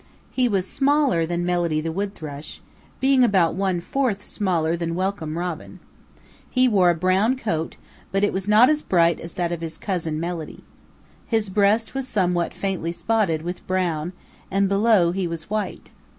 He was smaller than Melody the Wood Thrush, being about one fourth smaller than Welcome Robin. He wore a brown coat but it was not as bright as that of his cousin, Melody. His breast was somewhat faintly spotted with brown, and below he was white.